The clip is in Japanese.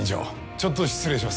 ちょっと失礼します。